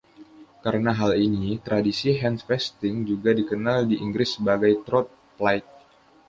Karena hal ini, tradisi handfasting juga dikenal di Inggris sebagai "troth-plight".